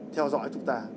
theo dõi chúng ta